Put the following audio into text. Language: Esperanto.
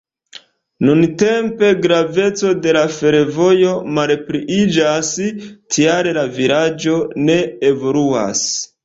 Nuntempe graveco de la fervojo malpliiĝas, tial la vilaĝo ne evoluas.